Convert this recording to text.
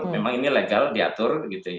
memang ini legal diatur